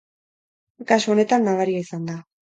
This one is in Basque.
Kasu honetan, nabaria izan da.